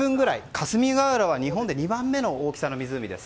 霞ヶ浦は日本で２番目の大きさの湖です。